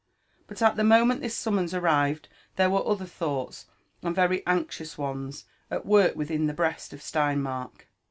But at the moment this summons arrived there were other thoughts, and very anxious ones, at work within the breast of Steinmark.